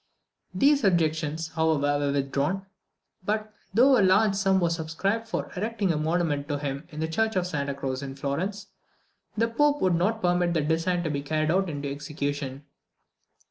These objections, however, were withdrawn; but though a large sum was subscribed for erecting a monument to him in the church of Santa Croce, in Florence, the Pope would not permit the design to be carried into execution.